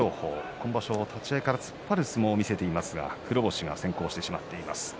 今場所、立ち合いから突っ張る相撲を見せていますが黒星が先行してしまっています。